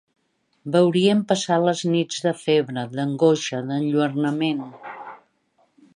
Veuríem passar les nits de febre, d'angoixa, d'enlluernament;